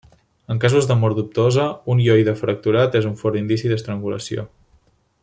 En casos de mort dubtosa, un hioide fracturat és un fort indici d'estrangulació.